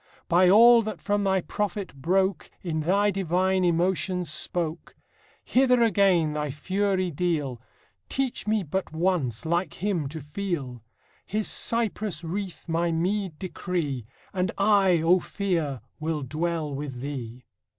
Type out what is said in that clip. By all that from thy prophet broke In thy divine emotions spoke: Hither again thy fury deal, Teach me but once, like him, to feel; His cypress wreath my meed decree, And I, O Fear, will dwell with thee!